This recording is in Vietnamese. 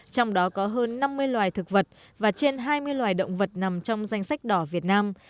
trong đó có hơn năm mươi loài thực vật và trên hai mươi loài động vật nằm trong danh sách đỏ việt nam